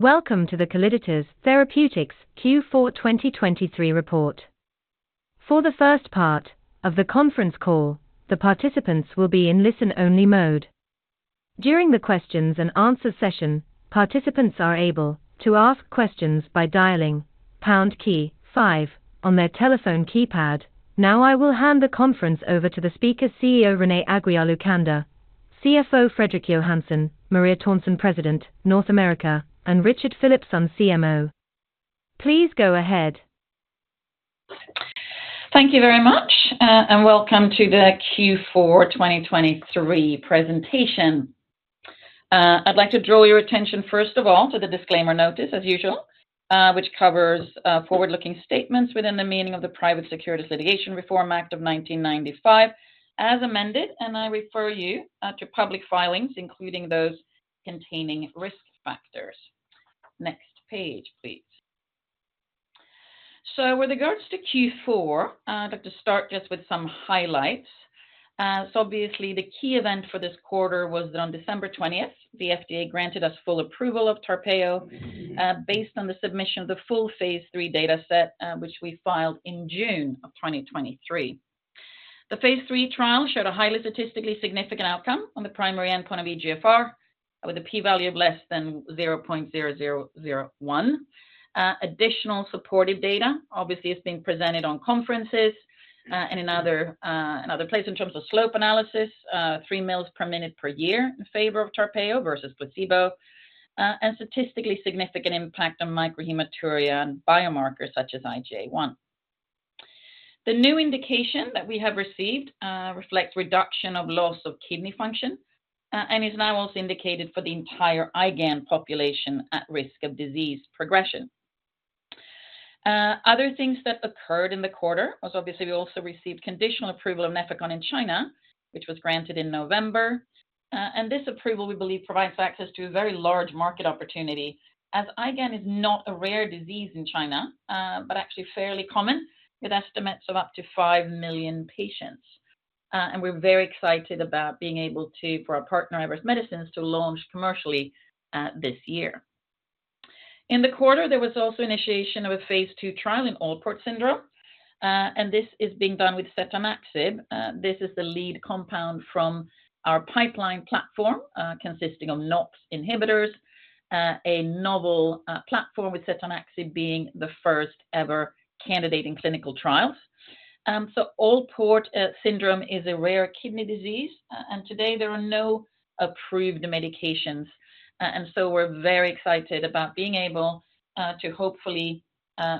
Welcome to the Calliditas Therapeutics Q4 2023 report. For the first part of the conference call, the participants will be in listen-only mode. During the questions and answers session, participants are able to ask questions by dialing pound key five on their telephone keypad. Now I will hand the conference over to the speakers: CEO Renée Aguiar-Lucander, CFO Fredrik Johansson, Maria Törnsén, President North America, and Richard Philipson, CMO. Please go ahead. Thank you very much, and welcome to the Q4 2023 presentation. I'd like to draw your attention first of all to the disclaimer notice, as usual, which covers forward-looking statements within the meaning of the Private Securities Litigation Reform Act of 1995 as amended, and I refer you to public filings including those containing risk factors. Next page, please. With regards to Q4, I'd like to start just with some highlights. Obviously, the key event for this quarter was that on December 20th, the FDA granted us full approval of TARPEYO based on the submission of the full phase III dataset, which we filed in June of 2023. The phase III trial showed a highly statistically significant outcome on the primary endpoint of eGFR, with a p-value of less than 0.0001. Additional supportive data, obviously, has been presented at conferences and in other places in terms of slope analysis, 3 mL/min per year in favor of TARPEYO versus placebo, and statistically significant impact on microhematuria and biomarkers such as IgA1. The new indication that we have received reflects reduction of loss of kidney function and is now also indicated for the entire IgAN population at risk of disease progression. Other things that occurred in the quarter was, obviously, we also received conditional approval of NEFECON in China, which was granted in November. This approval, we believe, provides access to a very large market opportunity as IgAN is not a rare disease in China, but actually fairly common, with estimates of up to 5 million patients. We're very excited about being able to, for our partner Everest Medicines, to launch commercially this year. In the quarter, there was also initiation of a phase II trial in Alport syndrome, and this is being done with setanaxib. This is the lead compound from our pipeline platform consisting of NOX inhibitors, a novel platform with setanaxib being the first-ever candidate in clinical trials. So Alport syndrome is a rare kidney disease, and today there are no approved medications. And so we're very excited about being able to hopefully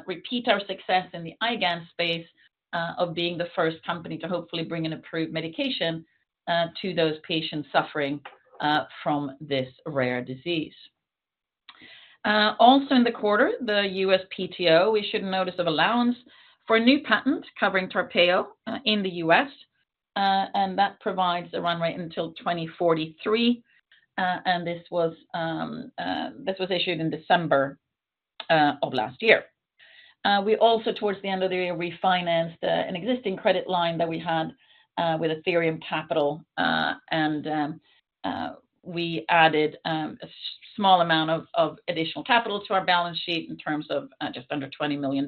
repeat our success in the IgAN space of being the first company to hopefully bring an approved medication to those patients suffering from this rare disease. Also in the quarter, the USPTO, we should notice an allowance for a new patent covering TARPEYO in the U.S., and that provides a runway until 2043. And this was issued in December of last year. We also, towards the end of the year, refinanced an existing credit line that we had with Athyrium Capital, and we added a small amount of additional capital to our balance sheet in terms of just under $20 million.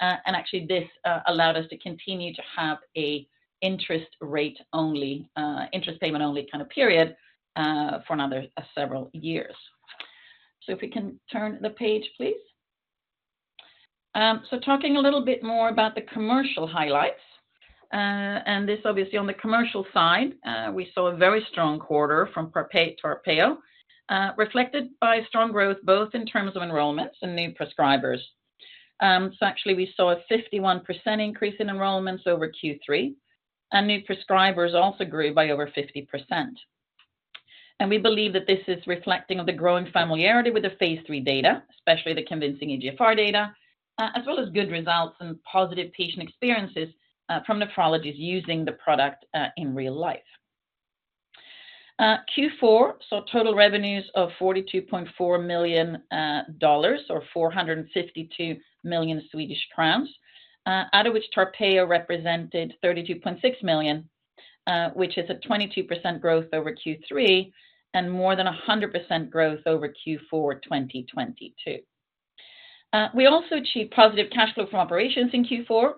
Actually, this allowed us to continue to have an interest rate-only, interest payment-only kind of period for another several years. So if we can turn the page, please. So talking a little bit more about the commercial highlights. And this, obviously, on the commercial side, we saw a very strong quarter from TARPEYO reflected by strong growth both in terms of enrollments and new prescribers. So actually, we saw a 51% increase in enrollments over Q3, and new prescribers also grew by over 50%. We believe that this is reflecting the growing familiarity with the phase III data, especially the convincing eGFR data, as well as good results and positive patient experiences from nephrologists using the product in real life. Q4 saw total revenues of $42.4 million or 452 million Swedish crowns, out of which TARPEYO represented $32.6 million, which is a 22% growth over Q3 and more than 100% growth over Q4 2022. We also achieved positive cash flow from operations in Q4,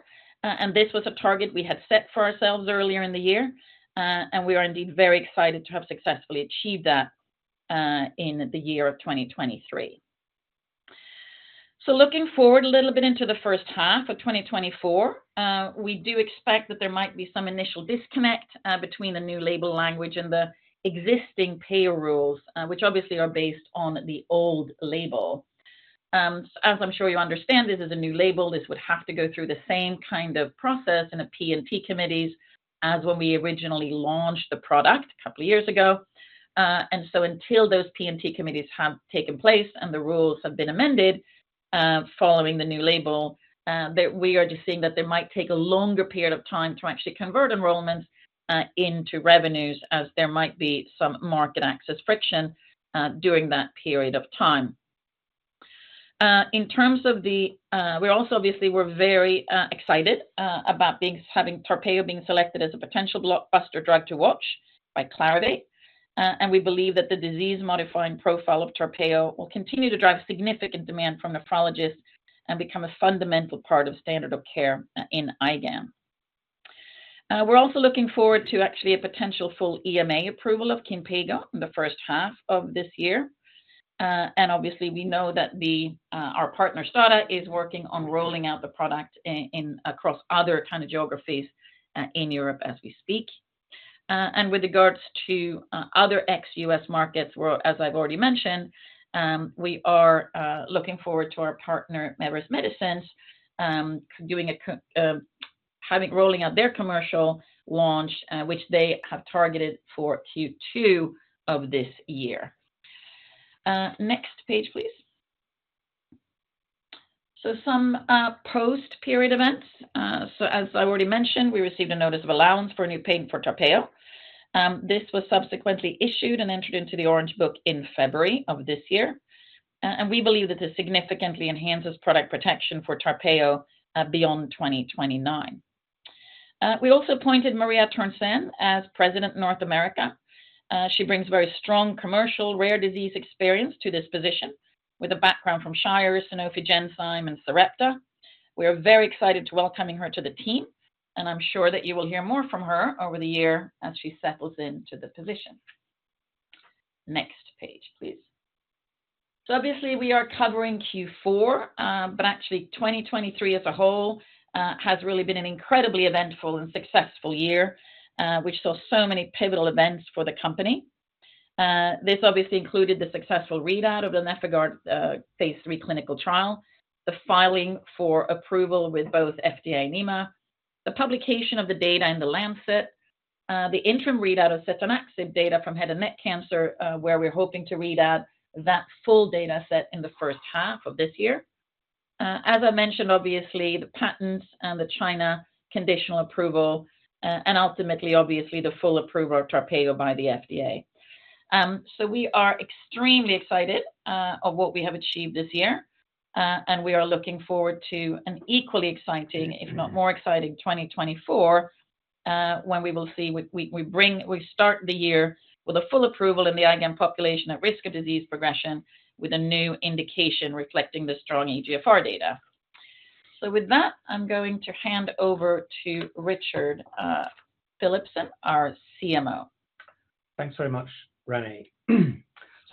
and this was a target we had set for ourselves earlier in the year. We are indeed very excited to have successfully achieved that in the year of 2023. So looking forward a little bit into the first half of 2024, we do expect that there might be some initial disconnect between the new label language and the existing payer rules, which obviously are based on the old label. So as I'm sure you understand, this is a new label. This would have to go through the same kind of process in the P&T committees as when we originally launched the product a couple of years ago. And so until those P&T committees have taken place and the rules have been amended following the new label, we are just seeing that there might take a longer period of time to actually convert enrollments into revenues as there might be some market access friction during that period of time. In terms of, we also, obviously, were very excited about having TARPEYO being selected as a potential blockbuster drug to watch by Clarivate, and we believe that the disease-modifying profile of TARPEYO will continue to drive significant demand from nephrologists and become a fundamental part of standard of care in IgAN. We're also looking forward to actually a potential full EMA approval of Kinpeygo in the first half of this year. Obviously, we know that our partner STADA is working on rolling out the product across other kinds of geographies in Europe as we speak. With regards to other ex-U.S. markets, as I've already mentioned, we are looking forward to our partner Everest Medicines having rolled out their commercial launch, which they have targeted for Q2 of this year. Next page, please. Some post-period events. So as I already mentioned, we received a notice of allowance for a new patent for TARPEYO. This was subsequently issued and entered into the Orange Book in February of this year. And we believe that this significantly enhances product protection for TARPEYO beyond 2029. We also appointed Maria Törnsén as President North America. She brings very strong commercial rare disease experience to this position with a background from Shire, Sanofi Genzyme, and Sarepta. We are very excited to welcome her to the team, and I'm sure that you will hear more from her over the year as she settles into the position. Next page, please. So obviously, we are covering Q4, but actually 2023 as a whole has really been an incredibly eventful and successful year, which saw so many pivotal events for the company. This obviously included the successful readout of the NefIgArd phase III clinical trial, the filing for approval with both FDA and EMA, the publication of the data in The Lancet, the interim readout of setanaxib data from head and neck cancer, where we're hoping to readout that full dataset in the first half of this year. As I mentioned, obviously, the patents and the China conditional approval, and ultimately, obviously, the full approval of TARPEYO by the FDA. So we are extremely excited of what we have achieved this year, and we are looking forward to an equally exciting, if not more exciting, 2024 when we will see we start the year with a full approval in the IgAN population at risk of disease progression with a new indication reflecting the strong eGFR data. So with that, I'm going to hand over to Richard Philipson, our CMO. Thanks very much, Renée.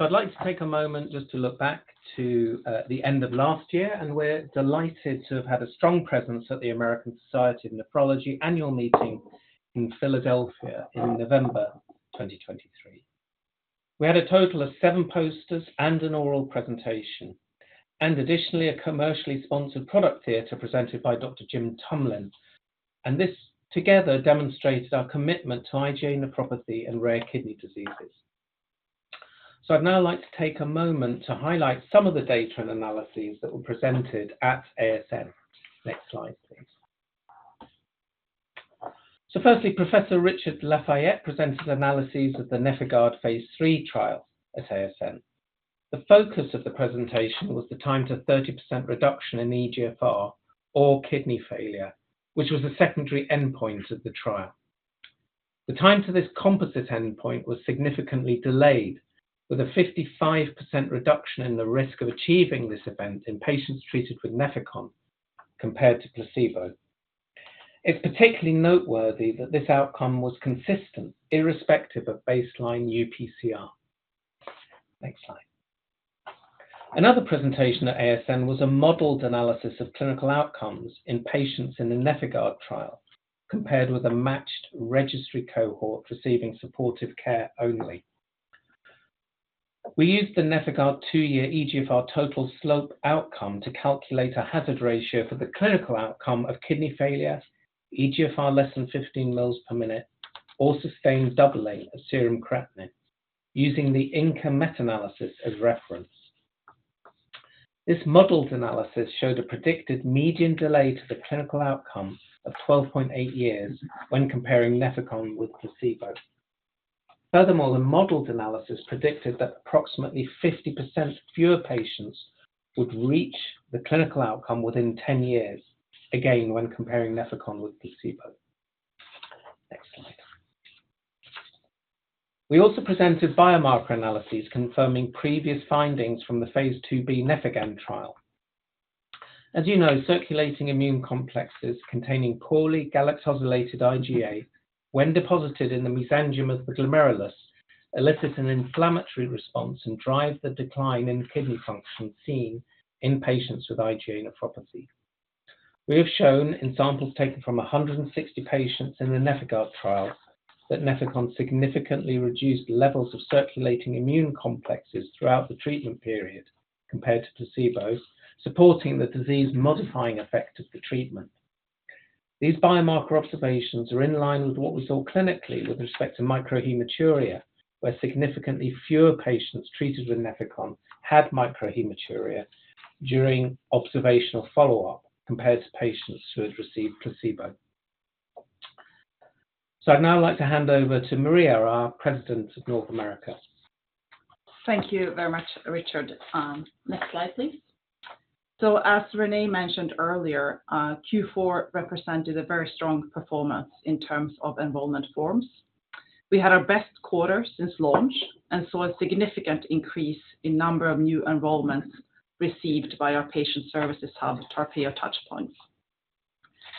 I'd like to take a moment just to look back to the end of last year, and we're delighted to have had a strong presence at the American Society of Nephrology annual meeting in Philadelphia in November 2023. We had a total of seven posters and an oral presentation, and additionally a commercially sponsored product theater presented by Dr. Jim Tumlin. This together demonstrated our commitment to IgA nephropathy and rare kidney diseases. I'd now like to take a moment to highlight some of the data and analyses that were presented at ASN. Next slide, please. Firstly, Professor Richard Lafayette presented analyses of the NefIgArd phase III trial at ASN. The focus of the presentation was the time to 30% reduction in eGFR or kidney failure, which was a secondary endpoint of the trial. The time to this composite endpoint was significantly delayed, with a 55% reduction in the risk of achieving this event in patients treated with NEFECON compared to placebo. It's particularly noteworthy that this outcome was consistent irrespective of baseline UPCR. Next slide. Another presentation at ASN was a modeled analysis of clinical outcomes in patients in the NefIgArd trial compared with a matched registry cohort receiving supportive care only. We used the NefIgArd two-year eGFR total slope outcome to calculate a hazard ratio for the clinical outcome of kidney failure, eGFR less than 15 mL/min, or sustained doubling of serum creatinine using the Inker meta-analysis as reference. This modeled analysis showed a predicted median delay to the clinical outcome of 12.8 years when comparing NEFECON with placebo. Furthermore, the modeled analysis predicted that approximately 50% fewer patients would reach the clinical outcome within 10 years, again when comparing NEFECON with placebo. Next slide. We also presented biomarker analyses confirming previous findings from the phase IIb NEFIGAN trial. As you know, circulating immune complexes containing poorly galactosylated IgA, when deposited in the mesangium of the glomerulus, elicit an inflammatory response and drive the decline in kidney function seen in patients with IgA nephropathy. We have shown in samples taken from 160 patients in the NefIgArd trial that NEFECON significantly reduced levels of circulating immune complexes throughout the treatment period compared to placebo, supporting the disease-modifying effect of the treatment. These biomarker observations are in line with what we saw clinically with respect to microhematuria, where significantly fewer patients treated with NEFECON had microhematuria during observational follow-up compared to patients who had received placebo. I'd now like to hand over to Maria, our President of North America. Thank you very much, Richard. Next slide, please. So as Renée mentioned earlier, Q4 represented a very strong performance in terms of enrollment forms. We had our best quarter since launch and saw a significant increase in the number of new enrollments received by our patient services hub TARPEYO Touchpoints.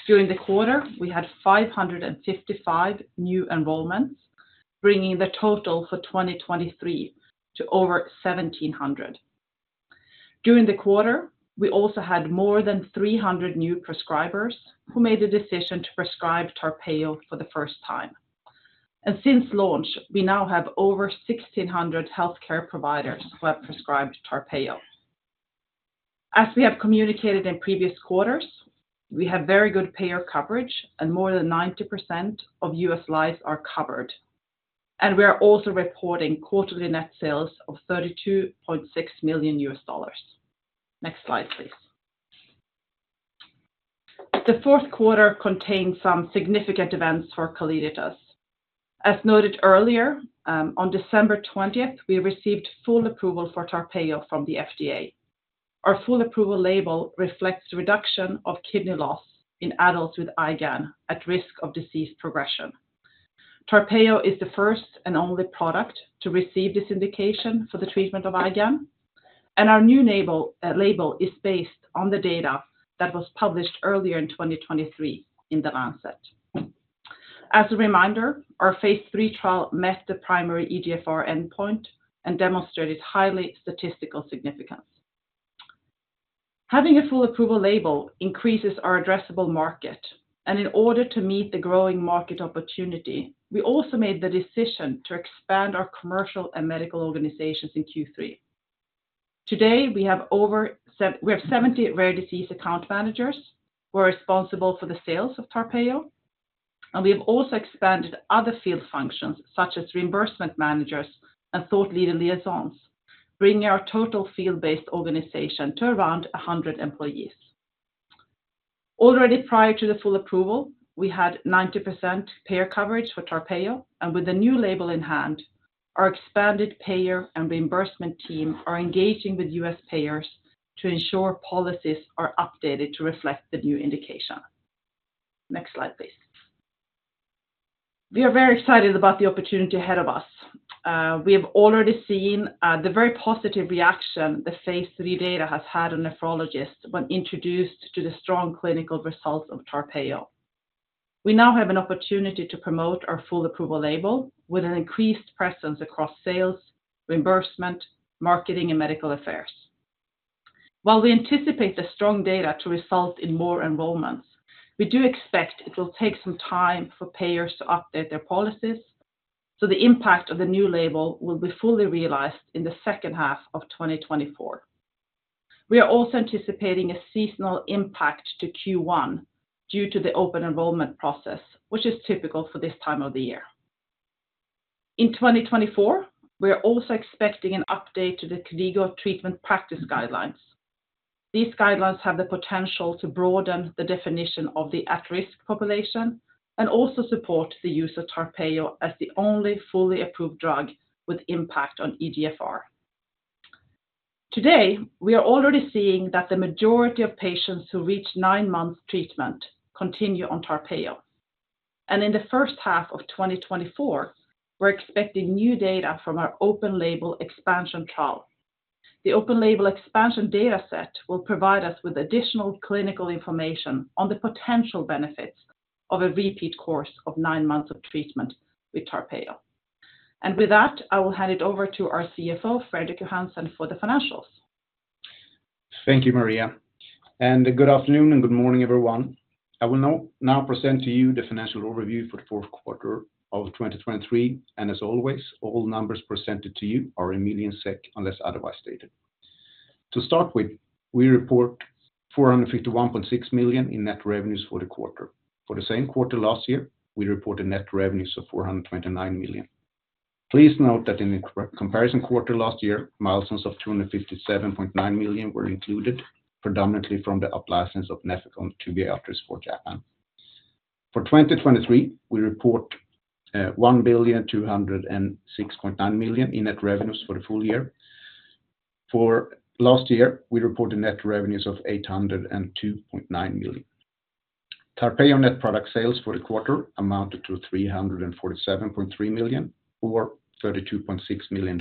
During the quarter, we had 555 new enrollments, bringing the total for 2023 to over 1,700. During the quarter, we also had more than 300 new prescribers who made the decision to prescribe TARPEYO for the first time. And since launch, we now have over 1,600 healthcare providers who have prescribed TARPEYO. As we have communicated in previous quarters, we have very good payer coverage and more than 90% of U.S. lives are covered. And we are also reporting quarterly net sales of $32.6 million. Next slide, please. The fourth quarter contains some significant events for Calliditas. As noted earlier, on December 20th, we received full approval for TARPEYO from the FDA. Our full approval label reflects the reduction of kidney loss in adults with IgAN at risk of disease progression. TARPEYO is the first and only product to receive this indication for the treatment of IgAN, and our new label is based on the data that was published earlier in 2023 in The Lancet. As a reminder, our phase III trial met the primary eGFR endpoint and demonstrated highly statistical significance. Having a full approval label increases our addressable market. In order to meet the growing market opportunity, we also made the decision to expand our commercial and medical organizations in Q3. Today, we have 70 rare disease account managers who are responsible for the sales of TARPEYO. We have also expanded other field functions such as reimbursement managers and thought leader liaisons, bringing our total field-based organization to around 100 employees. Already prior to the full approval, we had 90% payer coverage for TARPEYO. With the new label in hand, our expanded payer and reimbursement team are engaging with U.S. payers to ensure policies are updated to reflect the new indication. Next slide, please. We are very excited about the opportunity ahead of us. We have already seen the very positive reaction the phase III data has had on nephrologists when introduced to the strong clinical results of TARPEYO. We now have an opportunity to promote our full approval label with an increased presence across sales, reimbursement, marketing, and medical affairs. While we anticipate the strong data to result in more enrollments, we do expect it will take some time for payers to update their policies. So the impact of the new label will be fully realized in the second half of 2024. We are also anticipating a seasonal impact to Q1 due to the open enrollment process, which is typical for this time of the year. In 2024, we are also expecting an update to the KDIGO clinical practice guidelines. These guidelines have the potential to broaden the definition of the at-risk population and also support the use of TARPEYO as the only fully approved drug with impact on eGFR. Today, we are already seeing that the majority of patients who reach nine months treatment continue on TARPEYO. In the first half of 2024, we're expecting new data from our open label expansion trial. The open label expansion dataset will provide us with additional clinical information on the potential benefits of a repeat course of nine months of treatment with TARPEYO. With that, I will hand it over to our CFO, Fredrik Johansson, for the financials. Thank you, Maria. Good afternoon and good morning, everyone. I will now present to you the financial overview for the fourth quarter of 2023. As always, all numbers presented to you are in million SEK unless otherwise stated. To start with, we report 451.6 million in net revenues for the quarter. For the same quarter last year, we reported net revenues of 429 million. Please note that in the comparison quarter last year, milestones of 257.9 million were included, predominantly from the approval of NEFECON to Viatris for Japan. For 2023, we report 1,206.9 million in net revenues for the full year. For last year, we reported net revenues of 802.9 million. TARPEYO net product sales for the quarter amounted to 347.3 million or $32.6 million,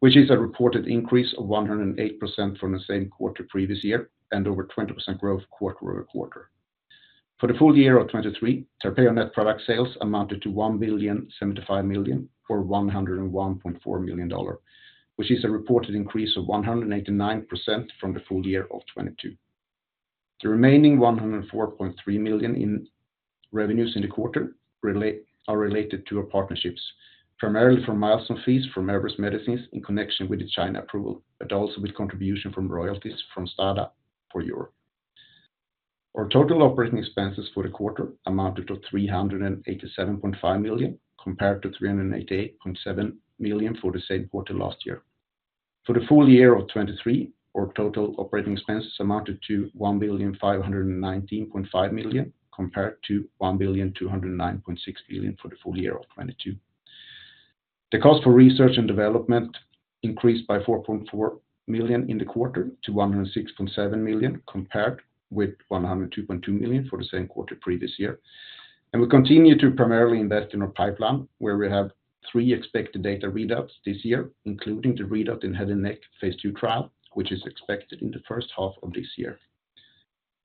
which is a reported increase of 108% from the same quarter previous year and over 20% growth quarter-over-quarter. For the full year of 2023, TARPEYO net product sales amounted to 1,075 million or $101.4 million, which is a reported increase of 189% from the full year of 2022. The remaining 104.3 million in revenues in the quarter are related to our partnerships, primarily from milestone fees from Everest Medicines in connection with the China approval, but also with contribution from royalties from Stada for Europe. Our total operating expenses for the quarter amounted to 387.5 million compared to 388.7 million for the same quarter last year. For the full year of 2023, our total operating expenses amounted to 1,519.5 million compared to 1,209.6 million for the full year of 2022. The cost for research and development increased by 4.4 million in the quarter to 106.7 million compared with 102.2 million for the same quarter previous year. We continue to primarily invest in our pipeline, where we have three expected data readouts this year, including the readout in head and neck phase II trial, which is expected in the first half of this year.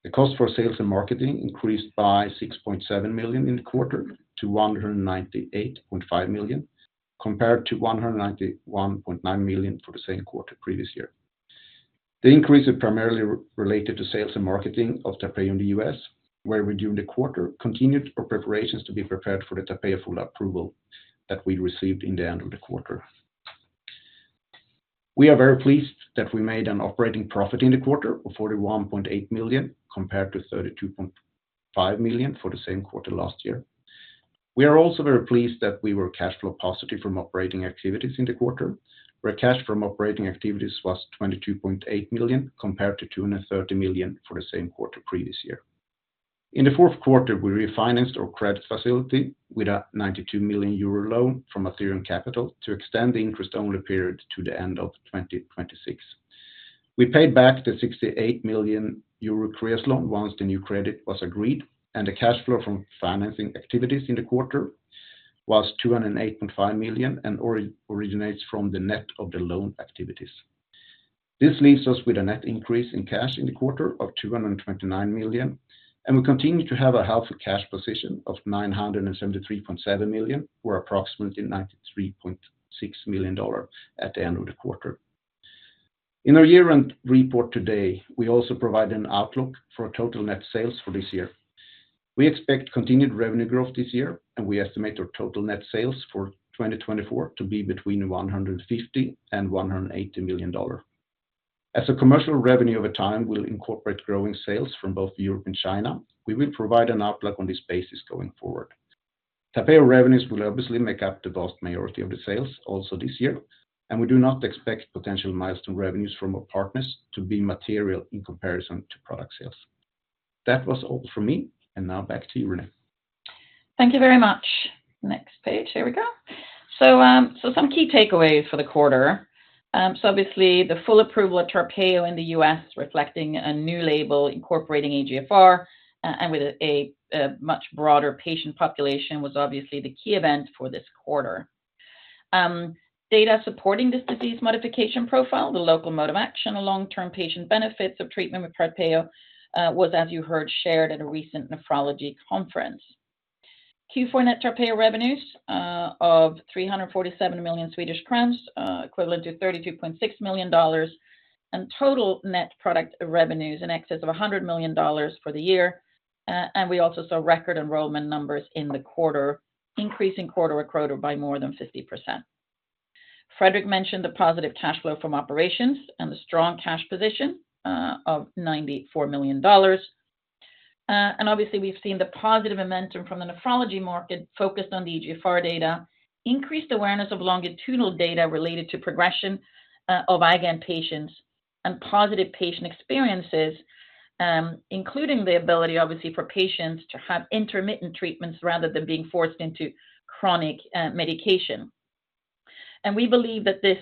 The cost for sales and marketing increased by 6.7 million in the quarter to 198.5 million compared to 191.9 million for the same quarter previous year. The increase is primarily related to sales and marketing of TARPEYO in the U.S., where we during the quarter continued our preparations to be prepared for the TARPEYO full approval that we received in the end of the quarter. We are very pleased that we made an operating profit in the quarter of 41.8 million compared to 32.5 million for the same quarter last year. We are also very pleased that we were cash flow positive from operating activities in the quarter, where cash from operating activities was 22.8 million compared to 230 million for the same quarter previous year. In the fourth quarter, we refinanced our credit facility with a 92 million euro loan from Athyrium Capital to extend the interest-only period to the end of 2026. We paid back the 68 million euro Kreos loan once the new credit was agreed, and the cash flow from financing activities in the quarter was 208.5 million and originates from the net of the loan activities. This leaves us with a net increase in cash in the quarter of 229 million, and we continue to have a healthy cash position of 973.7 million or approximately $93.6 million at the end of the quarter. In our year-end report today, we also provide an outlook for total net sales for this year. We expect continued revenue growth this year, and we estimate our total net sales for 2024 to be between $150 million and $180 million. As commercial revenues over time will incorporate growing sales from both Europe and China, we will provide an outlook on this basis going forward. TARPEYO revenues will obviously make up the vast majority of the sales also this year, and we do not expect potential milestone revenues from our partners to be material in comparison to product sales. That was all from me, and now back to you, Renée. Thank you very much. Next page. Here we go. So some key takeaways for the quarter. So obviously, the full approval of TARPEYO in the U.S. reflecting a new label incorporating eGFR and with a much broader patient population was obviously the key event for this quarter. Data supporting this disease modification profile, the local mode of action, long-term patient benefits of treatment with TARPEYO was, as you heard, shared at a recent nephrology conference. Q4 net TARPEYO revenues of 347 million Swedish crowns, equivalent to $32.6 million, and total net product revenues in excess of $100 million for the year. And we also saw record enrollment numbers in the quarter increasing quarter-over-quarter by more than 50%. Fredrik mentioned the positive cash flow from operations and the strong cash position of $94 million. And obviously, we've seen the positive momentum from the nephrology market focused on the eGFR data, increased awareness of longitudinal data related to progression of IgAN patients, and positive patient experiences, including the ability, obviously, for patients to have intermittent treatments rather than being forced into chronic medication. And we believe that this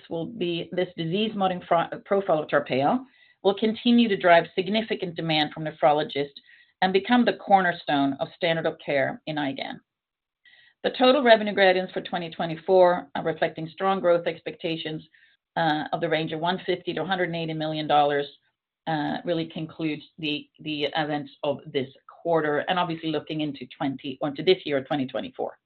disease modifying profile of TARPEYO will continue to drive significant demand from nephrologists and become the cornerstone of standard of care in IgAN. The total revenue guidance for 2024, reflecting strong growth expectations of $150 million-$180 million, really concludes the events of this quarter and obviously looking into this year of 2024.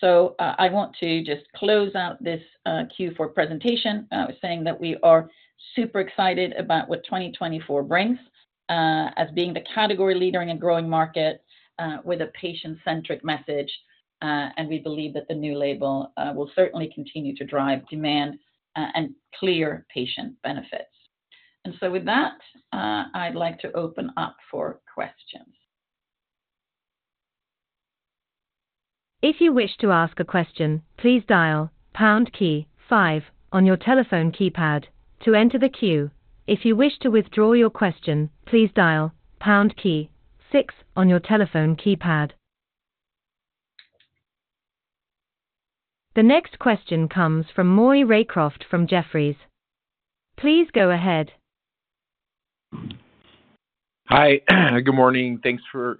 So I want to just close out this Q4 presentation saying that we are super excited about what 2024 brings as being the category-leading and growing market with a patient-centric message. We believe that the new label will certainly continue to drive demand and clear patient benefits. So with that, I'd like to open up for questions. If you wish to ask a question, please dial pound key five on your telephone keypad to enter the queue. If you wish to withdraw your question, please dial pound key six on your telephone keypad. The next question comes from Maury Raycroft from Jefferies. Please go ahead. Hi. Good morning. Thanks for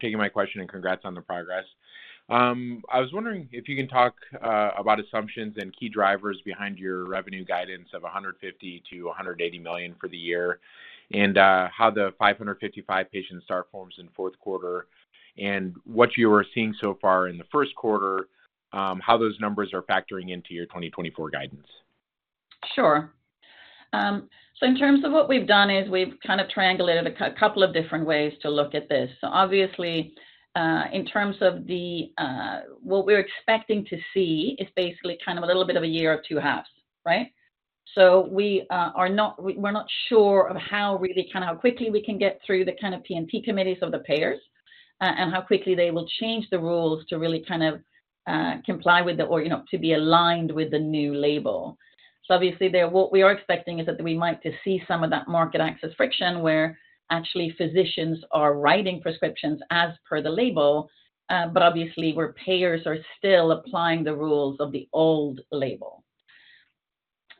taking my question and congrats on the progress. I was wondering if you can talk about assumptions and key drivers behind your revenue guidance of $150 million-$180 million for the year and how the 555 patient start forms in fourth quarter and what you are seeing so far in the first quarter, how those numbers are factoring into your 2024 guidance. Sure. So in terms of what we've done is we've kind of triangulated a couple of different ways to look at this. So obviously, in terms of what we're expecting to see is basically kind of a little bit of a year of two halves, right? So we're not sure of how really kind of how quickly we can get through the kind of P&T committees of the payers and how quickly they will change the rules to really kind of comply with the or to be aligned with the new label. So obviously, what we are expecting is that we might see some of that market access friction where actually physicians are writing prescriptions as per the label, but obviously, where payers are still applying the rules of the old label.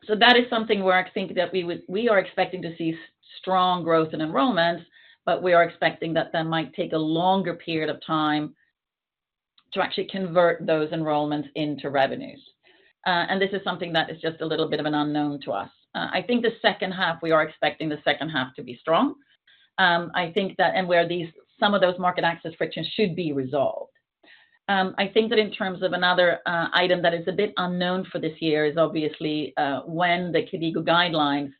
So that is something where I think that we are expecting to see strong growth in enrollments, but we are expecting that that might take a longer period of time to actually convert those enrollments into revenues. And this is something that is just a little bit of an unknown to us. I think the second half we are expecting the second half to be strong and where some of those market access frictions should be resolved. I think that in terms of another item that is a bit unknown for this year is obviously when the KDIGO guidelines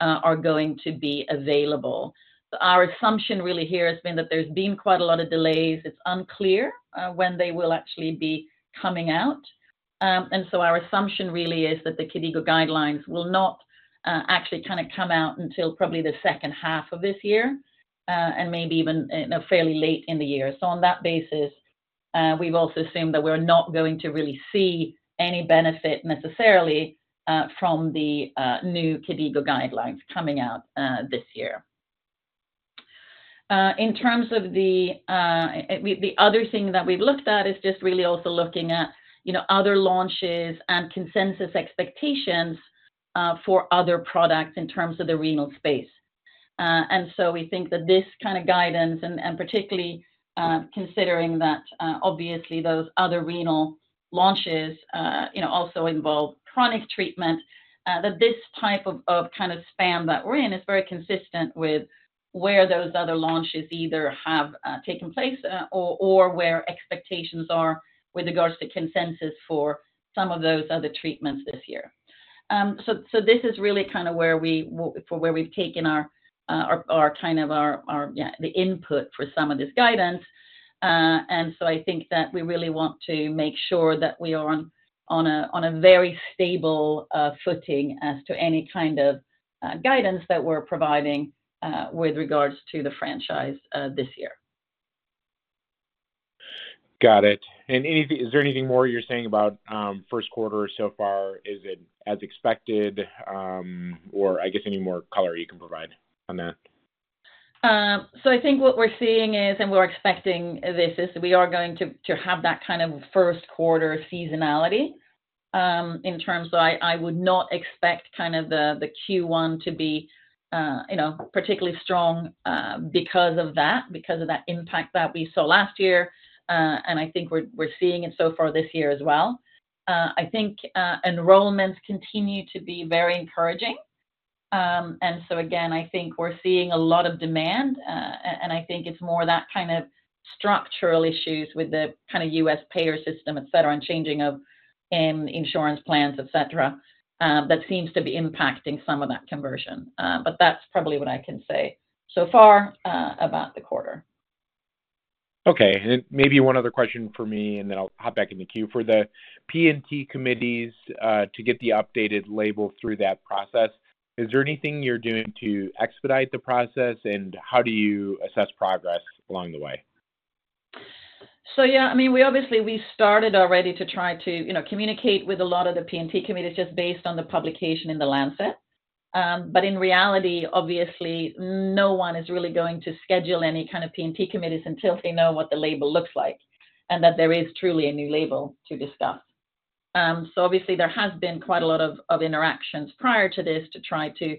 are going to be available. Our assumption really here has been that there's been quite a lot of delays. It's unclear when they will actually be coming out. So our assumption really is that the KDIGO guidelines will not actually kind of come out until probably the second half of this year and maybe even fairly late in the year. So on that basis, we've also assumed that we're not going to really see any benefit necessarily from the new KDIGO guidelines coming out this year. In terms of the other thing that we've looked at is just really also looking at other launches and consensus expectations for other products in terms of the renal space. So we think that this kind of guidance and particularly considering that obviously, those other renal launches also involve chronic treatment, that this type of kind of span that we're in is very consistent with where those other launches either have taken place or where expectations are with regards to consensus for some of those other treatments this year. This is really kind of where we've taken our kind of the input for some of this guidance. I think that we really want to make sure that we are on a very stable footing as to any kind of guidance that we're providing with regards to the franchise this year. Got it. Is there anything more you're saying about first quarter so far? Is it as expected? Or I guess any more color you can provide on that. So, I think what we're seeing is, and we're expecting, this is that we are going to have that kind of first quarter seasonality in terms of. I would not expect kind of the Q1 to be particularly strong because of that, because of that impact that we saw last year. I think we're seeing it so far this year as well. I think enrollments continue to be very encouraging. Again, I think we're seeing a lot of demand. I think it's more that kind of structural issues with the kind of U.S. payer system, et cetera, and changing of insurance plans, et cetera, that seems to be impacting some of that conversion. But that's probably what I can say so far about the quarter. Okay. And maybe one other question for me, and then I'll hop back in the queue. For the P&T committees to get the updated label through that process, is there anything you're doing to expedite the process? And how do you assess progress along the way? So yeah. I mean, obviously, we started already to try to communicate with a lot of the P&T committees just based on the publication in The Lancet. But in reality, obviously, no one is really going to schedule any kind of P&T committees until they know what the label looks like and that there is truly a new label to discuss. So obviously, there has been quite a lot of interactions prior to this to try to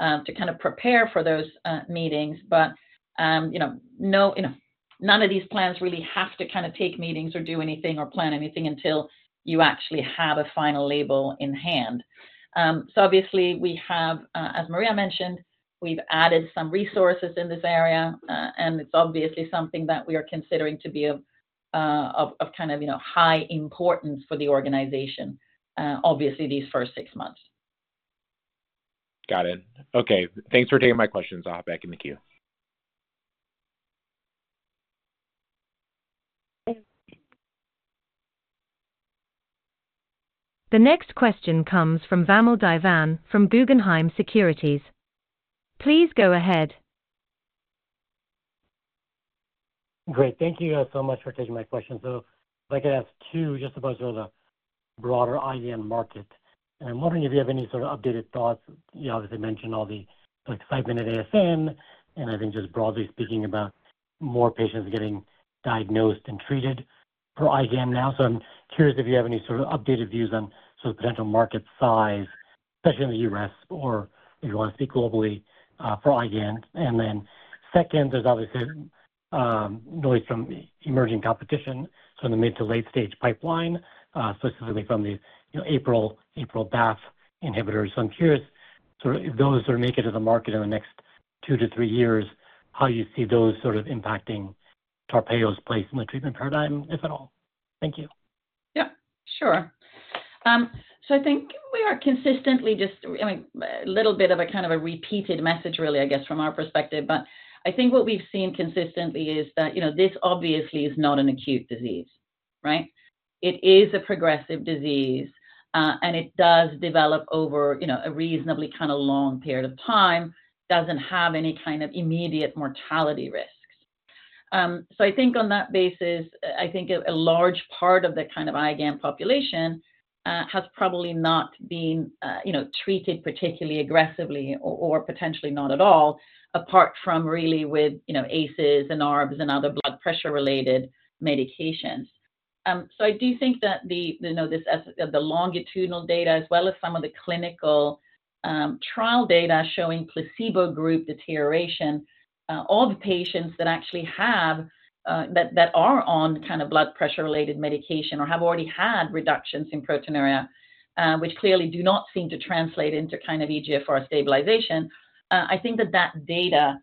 kind of prepare for those meetings. But none of these plans really have to kind of take meetings or do anything or plan anything until you actually have a final label in hand. So obviously, as Maria mentioned, we've added some resources in this area. And it's obviously something that we are considering to be of kind of high importance for the organization, obviously, these first six months. Got it. Okay. Thanks for taking my questions. I'll hop back in the queue. The next question comes from Vamil Divan from Guggenheim Securities. Please go ahead. Great. Thank you so much for taking my question. I'd like to ask two just about sort of the broader IgAN market. And I'm wondering if you have any sort of updated thoughts. You obviously mentioned all the excitement at ASN and I think just broadly speaking about more patients getting diagnosed and treated for IgAN now. So I'm curious if you have any sort of updated views on sort of potential market size, especially in the U.S. or if you want to speak globally for IgAN. And then second, there's obviously noise from emerging competition. So in the mid to late stage pipeline, specifically from the APRIL/BAFF inhibitors. So I'm curious sort of if those sort of make it to the market in the next two to three years, how you see those sort of impacting TARPEYO's place in the treatment paradigm, if at all. Thank you. Yeah. Sure. So I think we are consistently just I mean, a little bit of a kind of a repeated message, really, I guess, from our perspective. But I think what we've seen consistently is that this obviously is not an acute disease, right? It is a progressive disease. It does develop over a reasonably kind of long period of time, doesn't have any kind of immediate mortality risks. So I think on that basis, I think a large part of the kind of IgAN population has probably not been treated particularly aggressively or potentially not at all, apart from really with ACEs and ARBs and other blood pressure-related medications. I do think that the longitudinal data as well as some of the clinical trial data showing placebo group deterioration, all the patients that actually are on kind of blood pressure-related medication or have already had reductions in proteinuria, which clearly do not seem to translate into kind of eGFR stabilization, I think that that data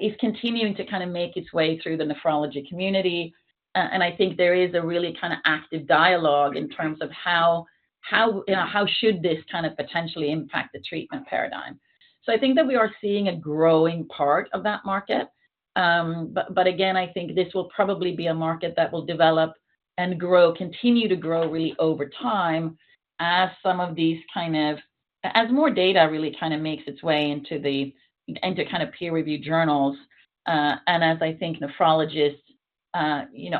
is continuing to kind of make its way through the nephrology community. I think there is a really kind of active dialogue in terms of how should this kind of potentially impact the treatment paradigm. I think that we are seeing a growing part of that market. But again, I think this will probably be a market that will develop and continue to grow really over time as some of these, as more data really kind of makes its way into kind of peer-reviewed journals and as I think nephrologists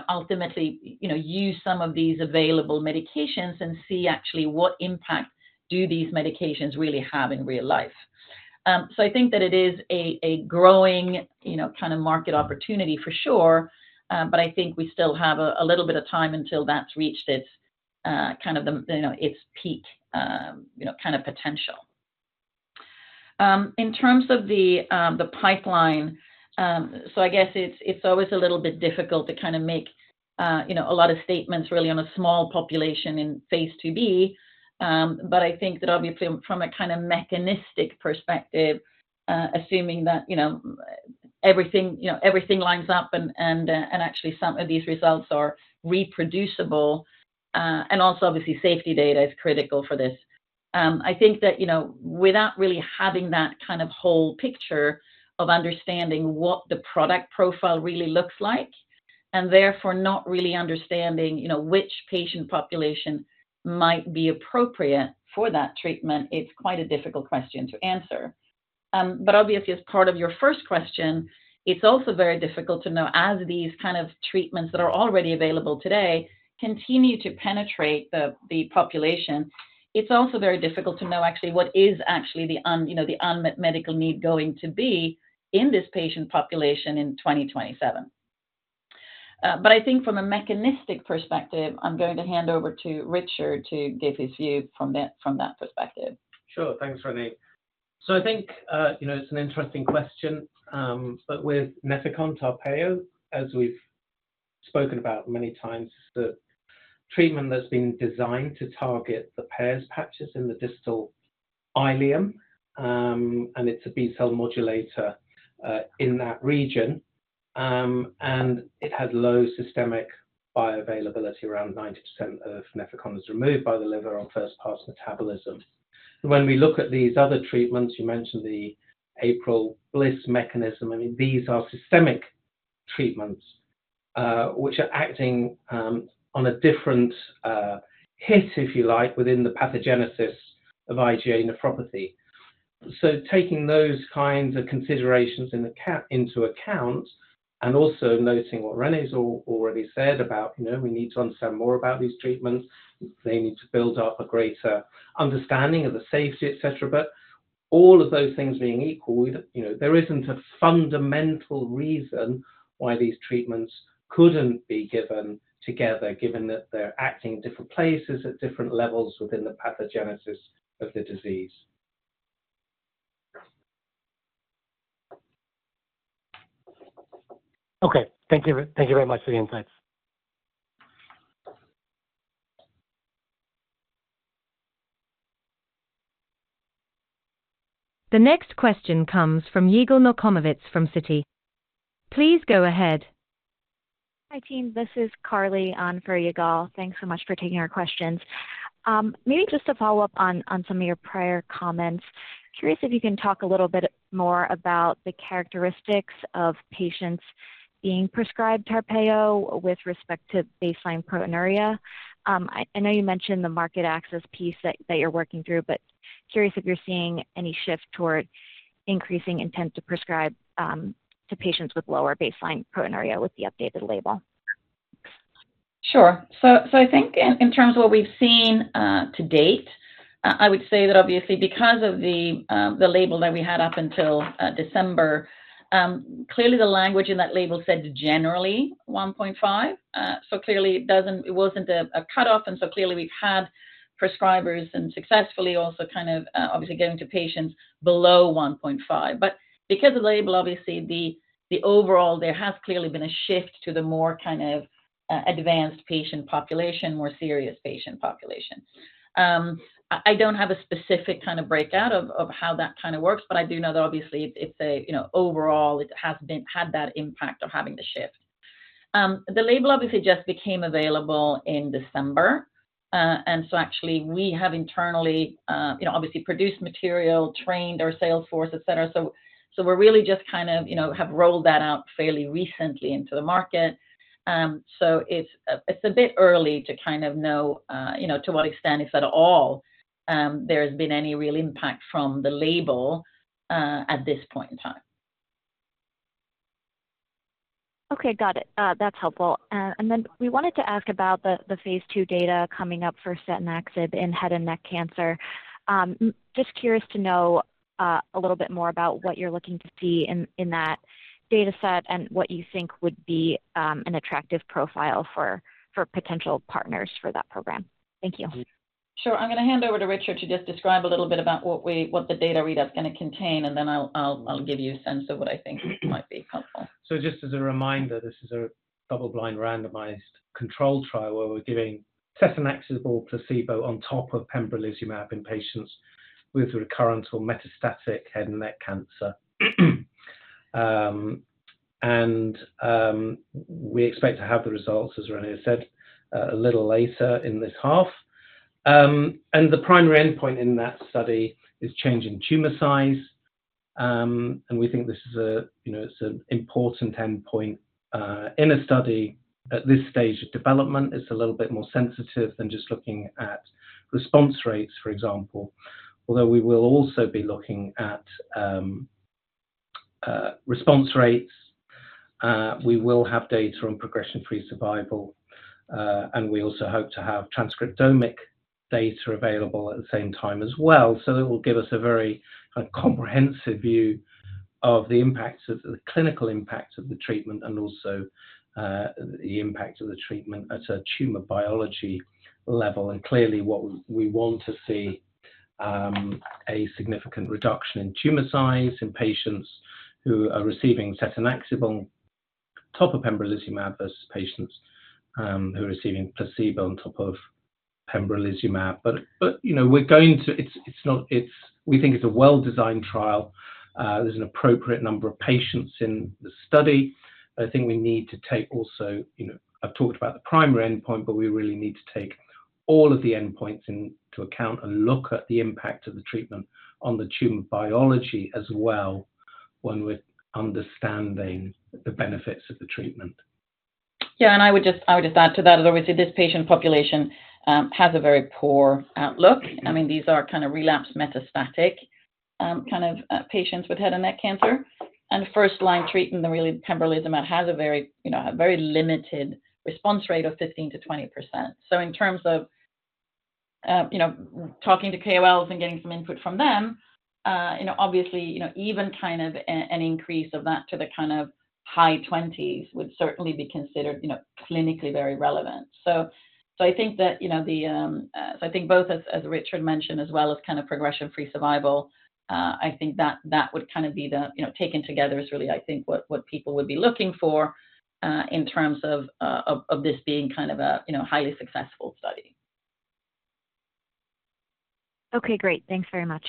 ultimately use some of these available medications and see actually what impact do these medications really have in real life. So I think that it is a growing kind of market opportunity for sure. But I think we still have a little bit of time until that's reached its kind of peak kind of potential. In terms of the pipeline, so I guess it's always a little bit difficult to kind of make a lot of statements really on a small population in phase IIb. But I think that obviously, from a kind of mechanistic perspective, assuming that everything lines up and actually some of these results are reproducible and also obviously, safety data is critical for this, I think that without really having that kind of whole picture of understanding what the product profile really looks like and therefore not really understanding which patient population might be appropriate for that treatment, it's quite a difficult question to answer. But obviously, as part of your first question, it's also very difficult to know as these kind of treatments that are already available today continue to penetrate the population, it's also very difficult to know actually what is actually the unmet medical need going to be in this patient population in 2027. But I think from a mechanistic perspective, I'm going to hand over to Richard to give his view from that perspective. Sure. Thanks, Renée. So I think it's an interesting question. But with NEFECON, TARPEYO, as we've spoken about many times, it's the treatment that's been designed to target the Peyer's patches in the distal ileum. And it's a B-cell modulator in that region. And it has low systemic bioavailability. Around 90% of NEFECON is removed by the liver on first-pass metabolism. When we look at these other treatments you mentioned the APRIL/BAFF mechanism. I mean, these are systemic treatments which are acting on a different hit, if you like, within the pathogenesis of IgA nephropathy. So taking those kinds of considerations into account and also noting what Renée's already said about we need to understand more about these treatments. They need to build up a greater understanding of the safety, et cetera. All of those things being equal, there isn't a fundamental reason why these treatments couldn't be given together given that they're acting in different places at different levels within the pathogenesis of the disease. Okay. Thank you very much for the insights. The next question comes from Yigal Nochomovitz from Citi. Please go ahead. Hi, team. This is Carly on for Yigal. Thanks so much for taking our questions. Maybe just to follow up on some of your prior comments, curious if you can talk a little bit more about the characteristics of patients being prescribed TARPEYO with respect to baseline proteinuria. I know you mentioned the market access piece that you're working through. But curious if you're seeing any shift toward increasing intent to prescribe to patients with lower baseline proteinuria with the updated label? Sure. So I think in terms of what we've seen to date, I would say that obviously, because of the label that we had up until December, clearly, the language in that label said generally 1.5. So clearly, it wasn't a cutoff. And so clearly, we've had prescribers and successfully also kind of obviously going to patients below 1.5. But because of the label, obviously, overall, there has clearly been a shift to the more kind of advanced patient population, more serious patient population. I don't have a specific kind of breakout of how that kind of works. But I do know that obviously, overall, it has had that impact of having the shift. The label obviously just became available in December. And so actually, we have internally obviously produced material, trained our sales force, et cetera. So we're really just kind of have rolled that out fairly recently into the market. So it's a bit early to kind of know to what extent, if at all, there has been any real impact from the label at this point in time. Okay. Got it. That's helpful. And then we wanted to ask about the phase II data coming up for setanaxib in head and neck cancer. Just curious to know a little bit more about what you're looking to see in that data set and what you think would be an attractive profile for potential partners for that program. Thank you. Sure. I'm going to hand over to Richard to just describe a little bit about what the data readout's going to contain. And then I'll give you a sense of what I think might be helpful. So just as a reminder, this is a double-blind randomized control trial where we're giving setanaxib or placebo on top of pembrolizumab in patients with recurrent or metastatic head and neck cancer. We expect to have the results, as Renée said, a little later in this half. The primary endpoint in that study is changing tumor size. We think this is, it's an important endpoint in a study at this stage of development. It's a little bit more sensitive than just looking at response rates, for example. Although we will also be looking at response rates. We will have data on progression-free survival. We also hope to have transcriptomic data available at the same time as well. So it will give us a very kind of comprehensive view of the clinical impact of the treatment and also the impact of the treatment at a tumor biology level. And clearly, we want to see a significant reduction in tumor size in patients who are receiving setanaxib on top of pembrolizumab versus patients who are receiving placebo on top of pembrolizumab. But we're going to, we think it's a well-designed trial. There's an appropriate number of patients in the study. I think we need to take also. I've talked about the primary endpoint. But we really need to take all of the endpoints into account and look at the impact of the treatment on the tumor biology as well when we're understanding the benefits of the treatment. Yeah. And I would just add to that that obviously, this patient population has a very poor outlook. I mean, these are kind of relapsed metastatic kind of patients with head and neck cancer. And first-line treatment, really, pembrolizumab has a very limited response rate of 15%-20%. So in terms of talking to KOLs and getting some input from them, obviously, even kind of an increase of that to the kind of high 20s would certainly be considered clinically very relevant. So I think that, so I think both, as Richard mentioned, as well as kind of progression-free survival, I think that would kind of be the taken together is really, I think, what people would be looking for in terms of this being kind of a highly successful study. Okay. Great. Thanks very much.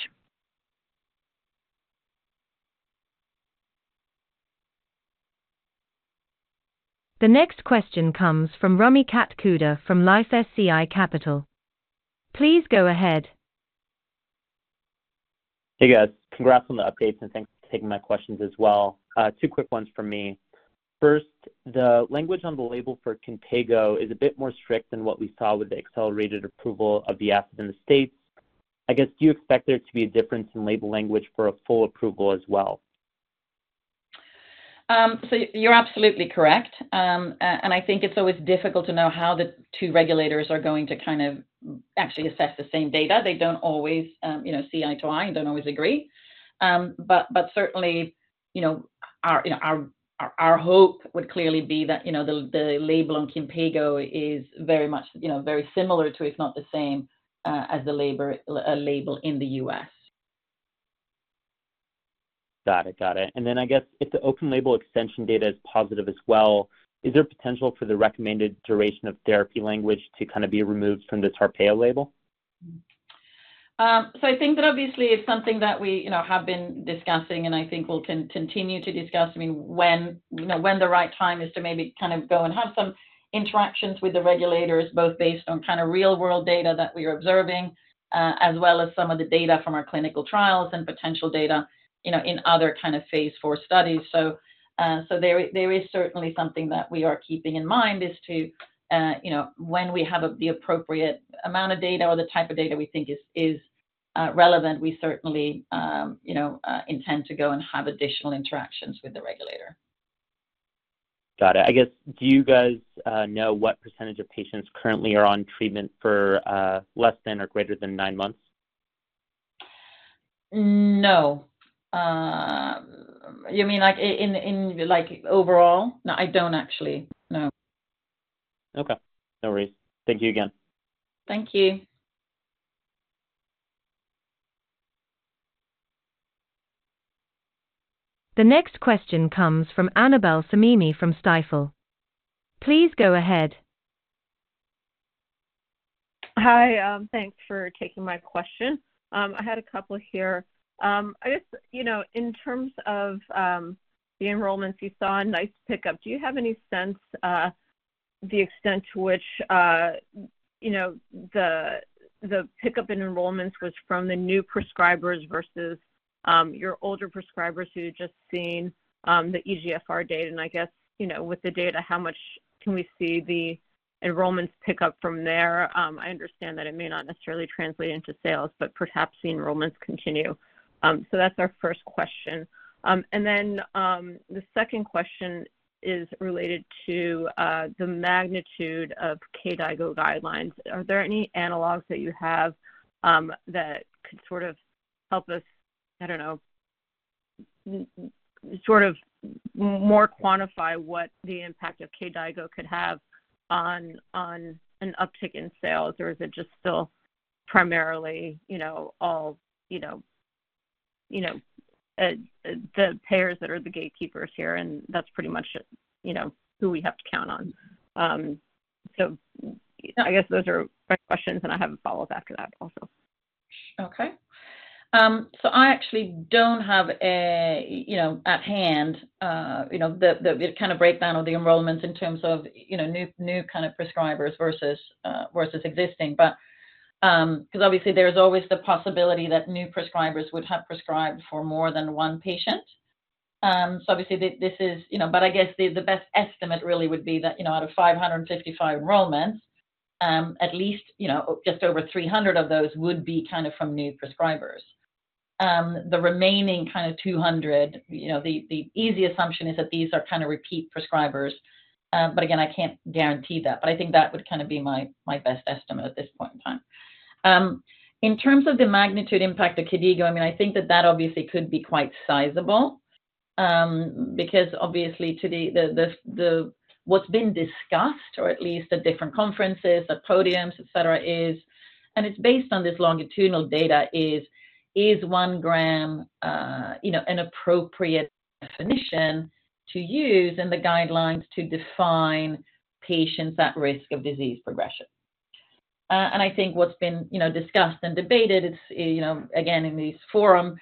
The next question comes from Rami Katkhuda from LifeSci Capital. Please go ahead. Hey, guys. Congrats on the updates. Thanks for taking my questions as well. Two quick ones from me. First, the language on the label for Kinpeygo is a bit more strict than what we saw with the accelerated approval of the asset in the States. I guess, do you expect there to be a difference in label language for a full approval as well? You're absolutely correct. I think it's always difficult to know how the two regulators are going to kind of actually assess the same data. They don't always see eye to eye and don't always agree. Certainly, our hope would clearly be that the label on Kinpeygo is very much very similar to, if not the same, as the label in the U.S. Got it. Got it. And then I guess if the open label extension data is positive as well, is there potential for the recommended duration of therapy language to kind of be removed from the TARPEYO label? I think that obviously, it's something that we have been discussing. I think we'll continue to discuss. I mean, when the right time is to maybe kind of go and have some interactions with the regulators both based on kind of real-world data that we are observing as well as some of the data from our clinical trials and potential data in other kind of phase IV studies. There is certainly something that we are keeping in mind is to when we have the appropriate amount of data or the type of data we think is relevant, we certainly intend to go and have additional interactions with the regulator. Got it. I guess, do you guys know what percentage of patients currently are on treatment for less than or greater than nine months? No. You mean overall? No, I don't actually. No. Okay. No worries. Thank you again. Thank you. The next question comes from Annabel Samimy from Stifel. Please go ahead. Hi. Thanks for taking my question. I had a couple here. I guess in terms of the enrollments you saw, nice pickup. Do you have any sense of the extent to which the pickup in enrollments was from the new prescribers versus your older prescribers who had just seen the eGFR data? And I guess with the data, how much can we see the enrollments pick up from there? I understand that it may not necessarily translate into sales. But perhaps the enrollments continue. So that's our first question. And then the second question is related to the magnitude of KDIGO guidelines. Are there any analogs that you have that could sort of help us, I don't know, sort of more quantify what the impact of KDIGO could have on an uptick in sales? Or is it just still primarily all the payers that are the gatekeepers here? That's pretty much who we have to count on. I guess those are my questions. I have follow-ups after that also. Okay. So I actually don't have at hand the kind of breakdown of the enrollments in terms of new kind of prescribers versus existing because obviously, there is always the possibility that new prescribers would have prescribed for more than one patient. So obviously, this is but I guess the best estimate really would be that out of 555 enrollments, at least just over 300 of those would be kind of from new prescribers. The remaining kind of 200, the easy assumption is that these are kind of repeat prescribers. But again, I can't guarantee that. But I think that would kind of be my best estimate at this point in time. In terms of the magnitude impact of KDIGO, I mean, I think that that obviously could be quite sizable because obviously, what's been discussed or at least at different conferences, at podiums, et cetera, is and it's based on this longitudinal data is, is 1 g an appropriate definition to use in the guidelines to define patients at risk of disease progression? And I think what's been discussed and debated, again, in this forum,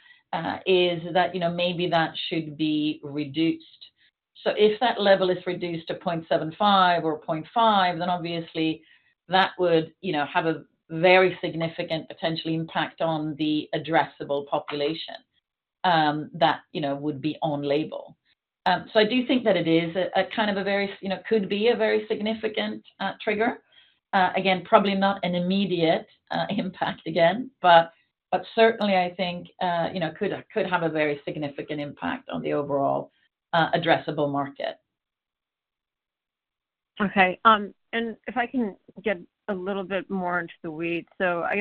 is that maybe that should be reduced. So if that level is reduced to 0.75 or 0.5, then obviously, that would have a very significant potential impact on the addressable population that would be on label. So I do think that it is a kind of a very could be a very significant trigger. Again, probably not an immediate impact again. But certainly, I think could have a very significant impact on the overall addressable market. Okay. And if I can get a little bit more into the weeds. So I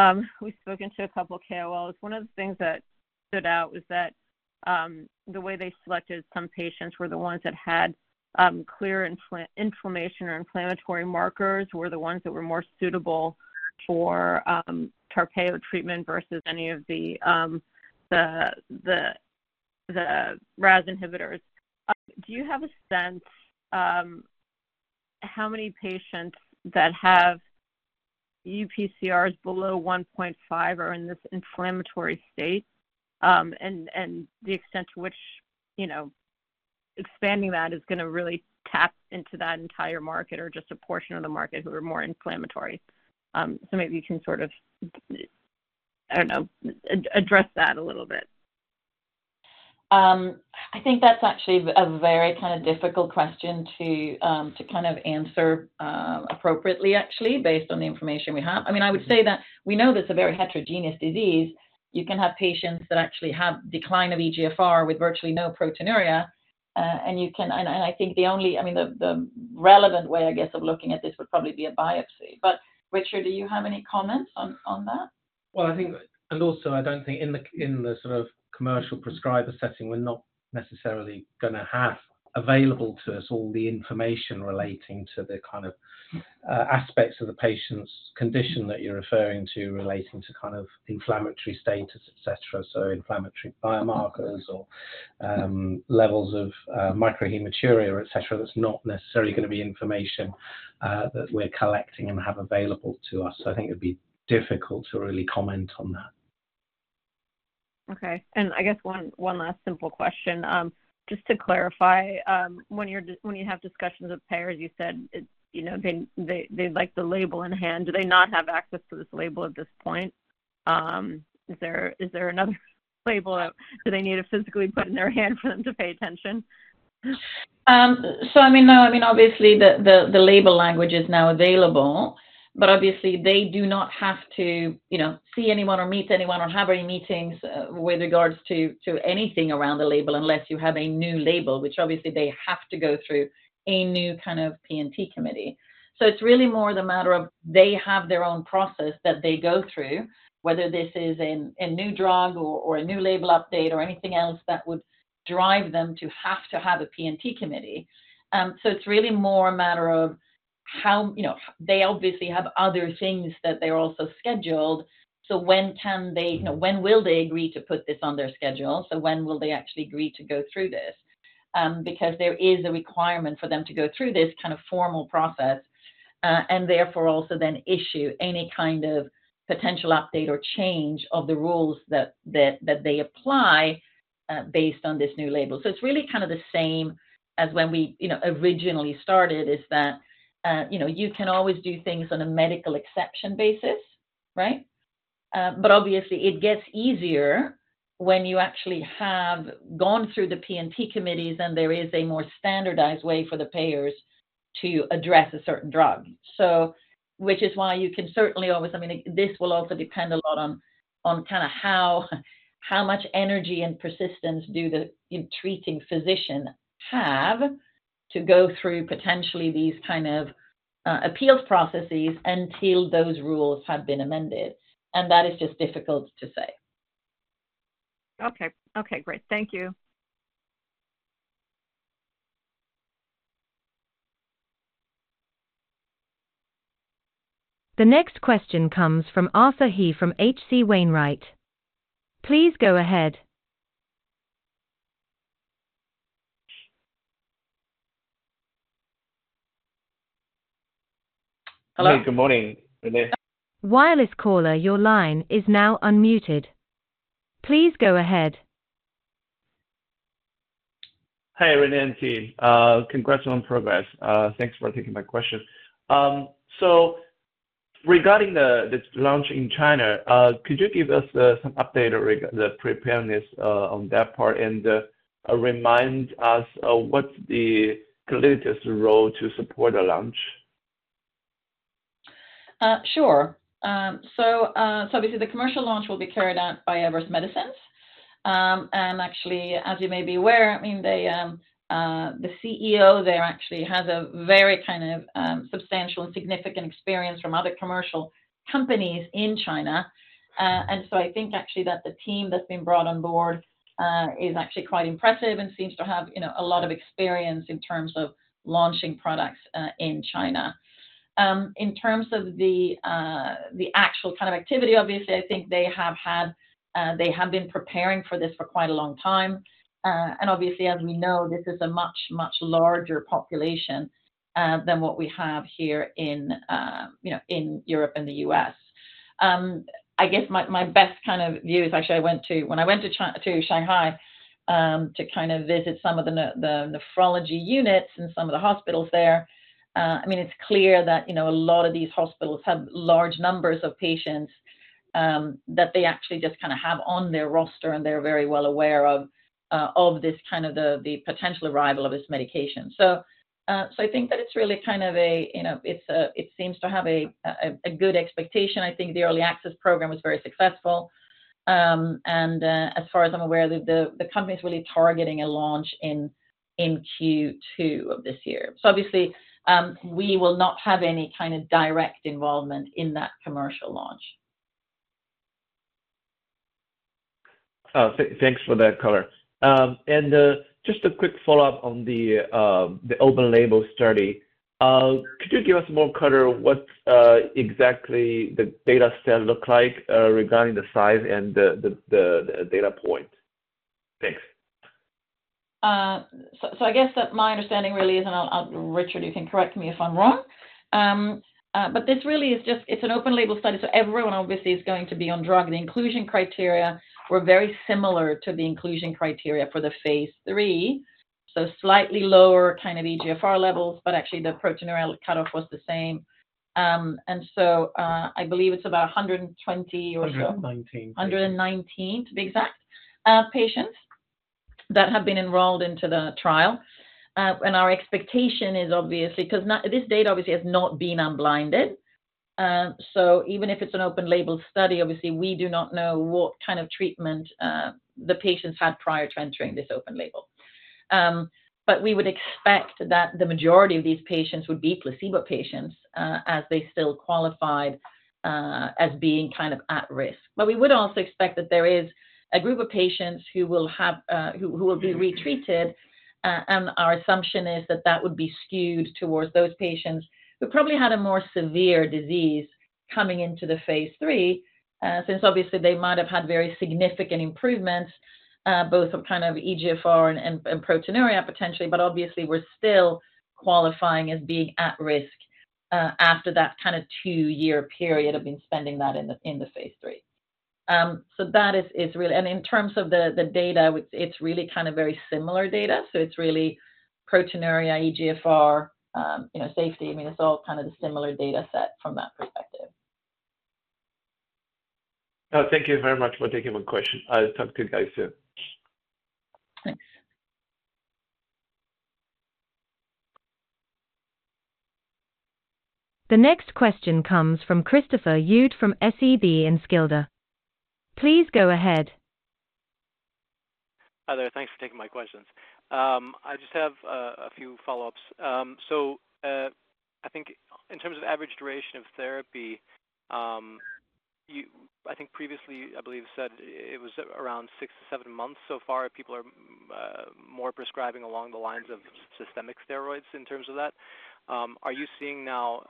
guess we've spoken to a couple of KOLs. One of the things that stood out was that the way they selected some patients were the ones that had clear inflammation or inflammatory markers were the ones that were more suitable for TARPEYO treatment versus any of the RAAS inhibitors. Do you have a sense how many patients that have UPCRs below 1.5 are in this inflammatory state and the extent to which expanding that is going to really tap into that entire market or just a portion of the market who are more inflammatory? So maybe you can sort of, I don't know, address that a little bit. I think that's actually a very kind of difficult question to kind of answer appropriately, actually, based on the information we have. I mean, I would say that we know that it's a very heterogeneous disease. You can have patients that actually have decline of eGFR with virtually no proteinuria. And I think the only, I mean, the relevant way, I guess, of looking at this would probably be a biopsy. But Richard, do you have any comments on that? Well, I think and also, I don't think in the sort of commercial prescriber setting, we're not necessarily going to have available to us all the information relating to the kind of aspects of the patient's condition that you're referring to relating to kind of inflammatory status, et cetera. So inflammatory biomarkers or levels of microhematuria, et cetera, that's not necessarily going to be information that we're collecting and have available to us. So I think it'd be difficult to really comment on that. Okay. And I guess one last simple question. Just to clarify, when you have discussions with payers, you said they like the label in hand. Do they not have access to this label at this point? Is there another label? Do they need it physically put in their hand for them to pay attention? So, I mean, no. I mean, obviously, the label language is now available. But obviously, they do not have to see anyone or meet anyone or have any meetings with regards to anything around the label unless you have a new label, which obviously, they have to go through a new kind of P&T committee. So it's really more the matter of they have their own process that they go through, whether this is a new drug or a new label update or anything else that would drive them to have to have a P&T committee. So it's really more a matter of how they obviously have other things that they're also scheduled. So when will they agree to put this on their schedule? So when will they actually agree to go through this? Because there is a requirement for them to go through this kind of formal process and therefore also then issue any kind of potential update or change of the rules that they apply based on this new label. So it's really kind of the same as when we originally started is that you can always do things on a medical exception basis, right? But obviously, it gets easier when you actually have gone through the P&T committees. And there is a more standardized way for the payers to address a certain drug, which is why you can certainly always I mean, this will also depend a lot on kind of how much energy and persistence do the treating physician have to go through potentially these kind of appeals processes until those rules have been amended. And that is just difficult to say. Okay. Okay. Great. Thank you. The next question comes from Arthur He from H.C. Wainwright. Please go ahead. Hello. Hey. Good morning, Renée. Wireless caller, your line is now unmuted. Please go ahead. Hey, Renée and team. Congrats on progress. Thanks for taking my question. So, regarding the launch in China, could you give us some update on the preparedness on that part and remind us what's Calliditas's role to support the launch? Sure. So obviously, the commercial launch will be carried out by Everest Medicines. And actually, as you may be aware, I mean, the CEO there actually has a very kind of substantial and significant experience from other commercial companies in China. And so I think actually that the team that's been brought on board is actually quite impressive and seems to have a lot of experience in terms of launching products in China. In terms of the actual kind of activity, obviously, I think they have been preparing for this for quite a long time. And obviously, as we know, this is a much, much larger population than what we have here in Europe and the U.S. I guess my best kind of view is actually I went to Shanghai to kind of visit some of the nephrology units and some of the hospitals there. I mean, it's clear that a lot of these hospitals have large numbers of patients that they actually just kind of have on their roster. And they're very well aware of this kind of the potential arrival of this medication. So I think that it's really kind of it seems to have a good expectation. I think the early access program was very successful. And as far as I'm aware, the company is really targeting a launch in Q2 of this year. So obviously, we will not have any kind of direct involvement in that commercial launch. Thanks for that color. Just a quick follow-up on the open label study. Could you give us more clearer what exactly the data set looked like regarding the size and the data point? Thanks. So, I guess that my understanding really is, and Richard, you can correct me if I'm wrong. But this really is just it's an open label study. So everyone obviously is going to be on drug. The inclusion criteria were very similar to the inclusion criteria for the phase III, so slightly lower kind of eGFR levels. But actually, the proteinuria cutoff was the same. And so I believe it's about 120 or so. One hundred nineteen. One hundred nineteen, to be exact, patients that have been enrolled into the trial. Our expectation is obviously because this data obviously has not been unblinded. So even if it's an open label study, obviously, we do not know what kind of treatment the patients had prior to entering this open label. But we would expect that the majority of these patients would be placebo patients as they still qualified as being kind of at risk. But we would also expect that there is a group of patients who will have who will be retreated. Our assumption is that that would be skewed towards those patients who probably had a more severe disease coming into the phase III since obviously, they might have had very significant improvements both of kind of eGFR and proteinuria potentially. But obviously, we're still qualifying as being at risk after that kind of two-year period of being spending that in the phase III. So that is really and in terms of the data, it's really kind of very similar data. So it's really proteinuria, eGFR, safety. I mean, it's all kind of the similar data set from that perspective. Thank you very much for taking my question. I'll talk to you guys soon. Thanks. The next question comes from Christopher Uhde from SEB Enskilda. Please go ahead. Hi there. Thanks for taking my questions. I just have a few follow-ups. So I think in terms of average duration of therapy, I think previously, I believe, said it was around six to seven months so far if people are more prescribing along the lines of systemic steroids in terms of that. Are you seeing now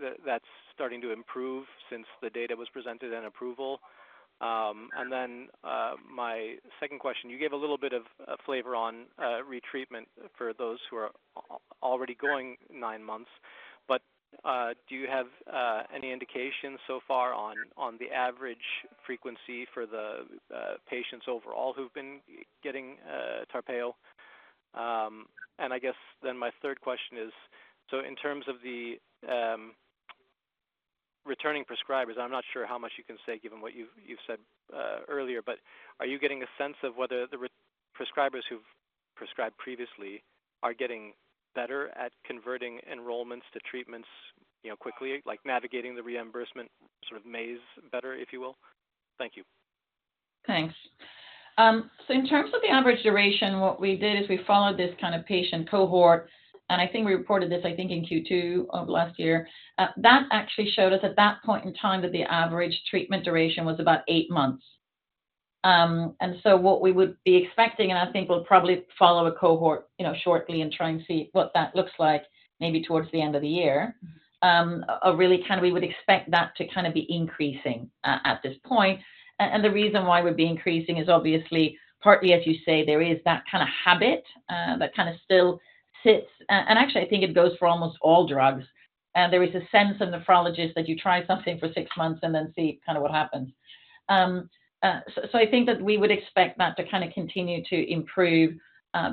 that that's starting to improve since the data was presented and approval? And then my second question, you gave a little bit of flavor on retreatment for those who are already going nine months. But do you have any indications so far on the average frequency for the patients overall who've been getting TARPEYO? And I guess then my third question is, so in terms of the returning prescribers, I'm not sure how much you can say given what you've said earlier. Are you getting a sense of whether the prescribers who've prescribed previously are getting better at converting enrollments to treatments quickly, like navigating the reimbursement sort of maze better, if you will? Thank you. Thanks. So in terms of the average duration, what we did is we followed this kind of patient cohort. And I think we reported this, I think, in Q2 of last year. That actually showed us at that point in time that the average treatment duration was about eight months. And so what we would be expecting and I think we'll probably follow a cohort shortly and try and see what that looks like maybe towards the end of the year really kind of we would expect that to kind of be increasing at this point. And the reason why we'd be increasing is obviously partly, as you say, there is that kind of habit that kind of still sits. And actually, I think it goes for almost all drugs. There is a sense in nephrologists that you try something for six months and then see kind of what happens. So I think that we would expect that to kind of continue to improve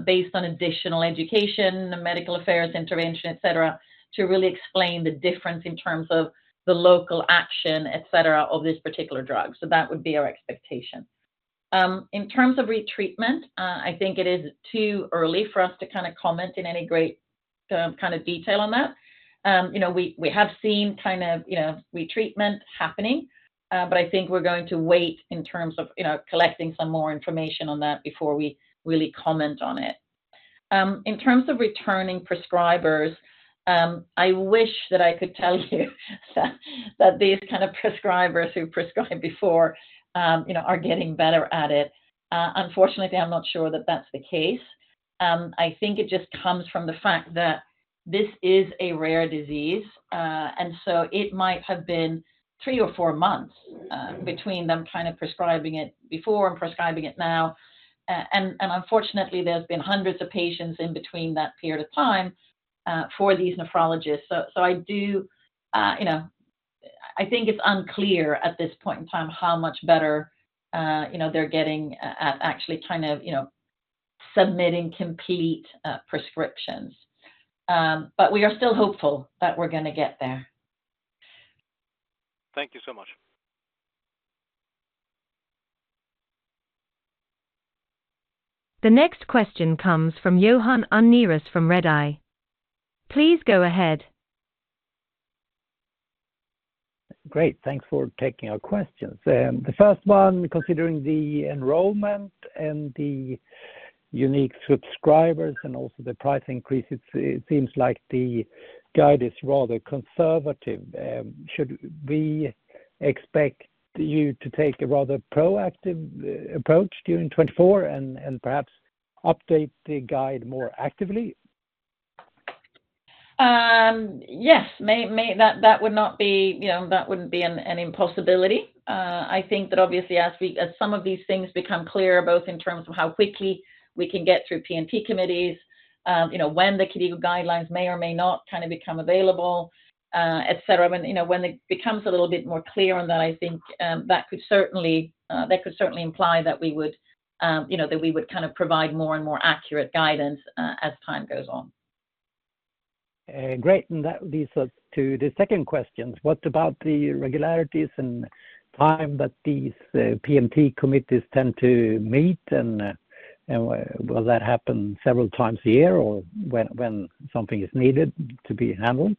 based on additional education, medical affairs, intervention, et cetera, to really explain the difference in terms of the local action, et cetera, of this particular drug. So that would be our expectation. In terms of retreatment, I think it is too early for us to kind of comment in any great kind of detail on that. We have seen kind of retreatment happening. But I think we're going to wait in terms of collecting some more information on that before we really comment on it. In terms of returning prescribers, I wish that I could tell you that these kind of prescribers who prescribed before are getting better at it. Unfortunately, I'm not sure that that's the case. I think it just comes from the fact that this is a rare disease. So it might have been three or four months between them kind of prescribing it before and prescribing it now. Unfortunately, there's been hundreds of patients in between that period of time for these nephrologists. So I do think it's unclear at this point in time how much better they're getting at actually kind of submitting complete prescriptions. But we are still hopeful that we're going to get there. Thank you so much. The next question comes from Johan Unnérus from Redeye. Please go ahead. Great. Thanks for taking our questions. The first one, considering the enrollment and the unique subscribers and also the price increase, it seems like the guide is rather conservative. Should we expect you to take a rather proactive approach during 2024 and perhaps update the guide more actively? Yes. That wouldn't be an impossibility. I think that obviously, as some of these things become clearer both in terms of how quickly we can get through P&T committees, when the KDIGO guidelines may or may not kind of become available, et cetera, I mean, when it becomes a little bit more clear on that, I think that could certainly imply that we would kind of provide more and more accurate guidance as time goes on. Great. That leads us to the second question. What about the regularity and timing that these P&T committees tend to meet? Will that happen several times a year or when something is needed to be handled?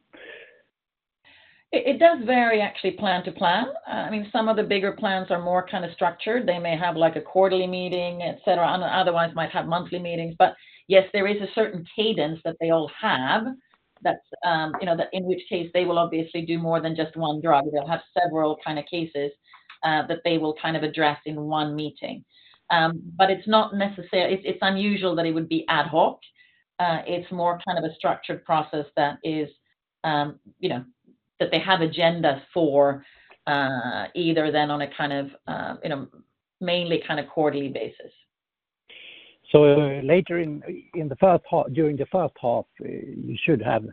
It does vary, actually, plan to plan. I mean, some of the bigger plans are more kind of structured. They may have like a quarterly meeting, et cetera. Otherwise, they might have monthly meetings. But yes, there is a certain cadence that they all have in which case they will obviously do more than just one drug. They will have several kind of cases that they will kind of address in one meeting. But it's not necessarily unusual that it would be ad hoc. It's more kind of a structured process that they have agendas for, either then on a kind of mainly kind of quarterly basis. Later in the first half during the first half, you should have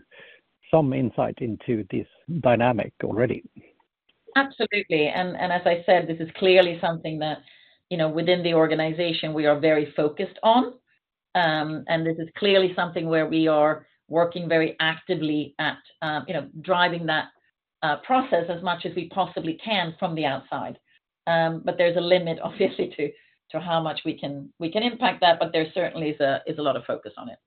some insight into this dynamic already? Absolutely. As I said, this is clearly something that within the organization, we are very focused on. This is clearly something where we are working very actively at driving that process as much as we possibly can from the outside. But there's a limit, obviously, to how much we can impact that. But there certainly is a lot of focus on it.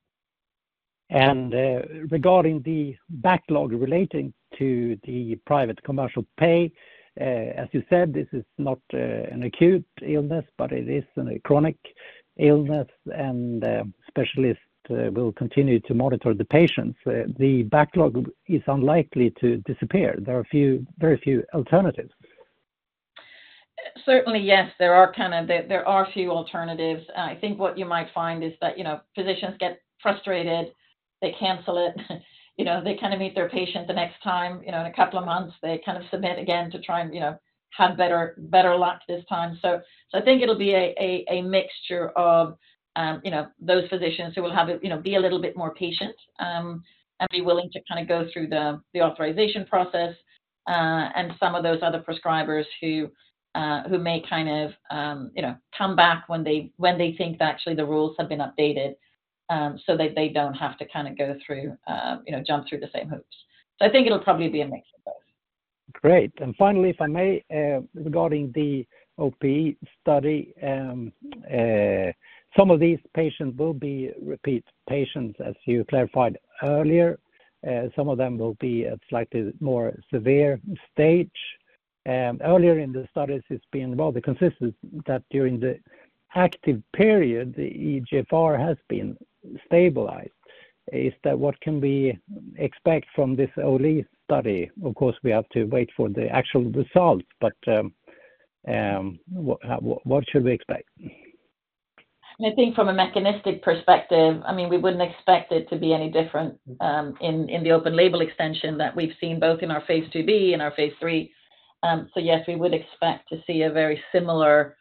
Regarding the backlog relating to the private commercial pay, as you said, this is not an acute illness. It is a chronic illness. Specialists will continue to monitor the patients. The backlog is unlikely to disappear. There are very few alternatives. Certainly, yes. There are kind of few alternatives. I think what you might find is that physicians get frustrated. They cancel it. They kind of meet their patient the next time. In a couple of months, they kind of submit again to try and have better luck this time. So I think it'll be a mixture of those physicians who will be a little bit more patient and be willing to kind of go through the authorization process and some of those other prescribers who may kind of come back when they think that actually the rules have been updated so that they don't have to kind of go through, jump through the same hoops. So I think it'll probably be a mix of both. Great. And finally, if I may, regarding the OP study, some of these patients will be repeat patients, as you clarified earlier. Some of them will be at slightly more severe stage. Earlier in the studies, it's been rather consistent that during the active period, the eGFR has been stabilized. Is that what can we expect from this OLE study? Of course, we have to wait for the actual results. But what should we expect? I think from a mechanistic perspective, I mean, we wouldn't expect it to be any different in the open label extension that we've seen both in our phase IIb and our phase III. So yes, we would expect to see a very similar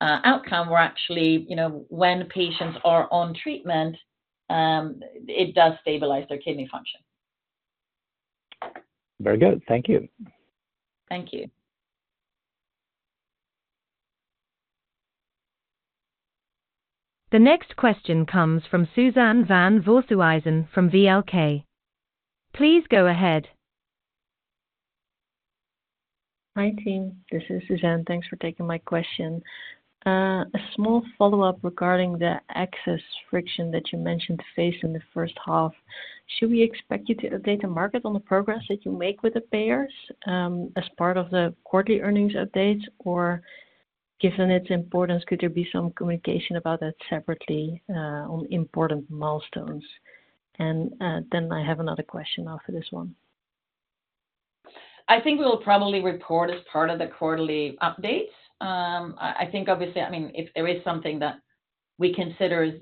outcome where actually when patients are on treatment, it does stabilize their kidney function. Very good. Thank you. Thank you. The next question comes from Suzanne van Voorthuizen from VLK. Please go ahead. Hi team. This is Suzanne. Thanks for taking my question. A small follow-up regarding the access friction that you mentioned faced in the first half. Should we expect you to update the market on the progress that you make with the payers as part of the quarterly earnings updates? Or given its importance, could there be some communication about that separately on important milestones? And then I have another question after this one. I think we will probably report as part of the quarterly updates. I think obviously, I mean, if there is something that we consider as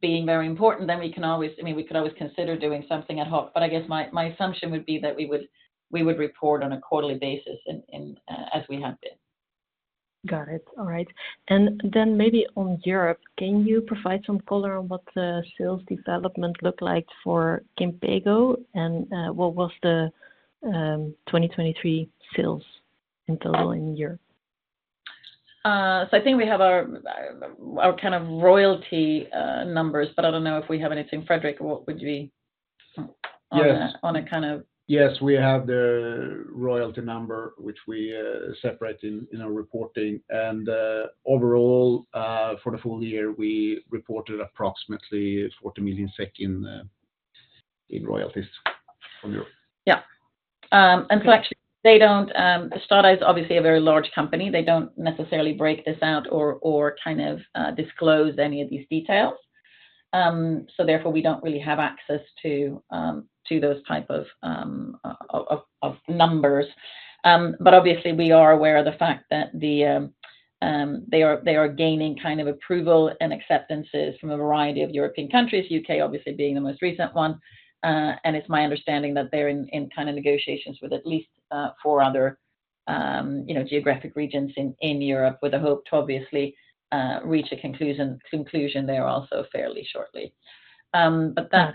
being very important, then we can always I mean, we could always consider doing something ad hoc. But I guess my assumption would be that we would report on a quarterly basis as we have been. Got it. All right. And then maybe on Europe, can you provide some color on what the sales development looked like for Kinpeygo? And what was the 2023 sales in total in Europe? So I think we have our kind of royalty numbers. But I don't know if we have anything. Fredrik, what would you be on a kind of? Yes. Yes, we have the royalty number, which we separate in our reporting. Overall, for the full year, we reported approximately 40 million SEK in royalties from Europe. Yeah. And so actually, they don't, the STADA is obviously a very large company. They don't necessarily break this out or kind of disclose any of these details. So therefore, we don't really have access to those type of numbers. But obviously, we are aware of the fact that they are gaining kind of approval and acceptances from a variety of European countries, U.K. obviously being the most recent one. And it's my understanding that they're in kind of negotiations with at least four other geographic regions in Europe with a hope to obviously reach a conclusion there also fairly shortly. But that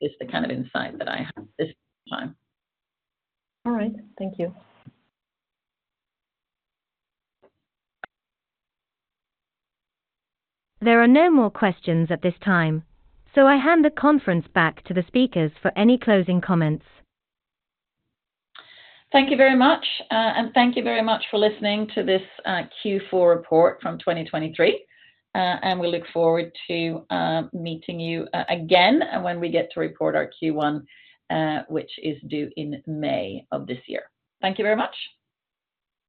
is the kind of insight that I have at this time. All right. Thank you. There are no more questions at this time. I hand the conference back to the speakers for any closing comments. Thank you very much. Thank you very much for listening to this Q4 report from 2023. We look forward to meeting you again when we get to report our Q1, which is due in May of this year. Thank you very much.